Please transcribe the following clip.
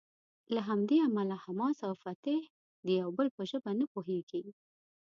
له همدې امله حماس او فتح د یو بل په ژبه نه پوهیږي.